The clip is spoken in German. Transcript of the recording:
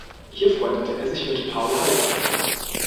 Hier freundete er sich mit Paul Heyse an.